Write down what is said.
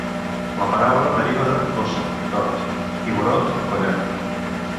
La paraula deriva de "koso", tort, i "vorot", collar.